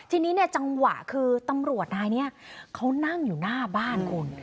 ทีนี้เนี่ยจังหวะคือตำรวจนายนี้เขานั่งอยู่หน้าบ้านคุณ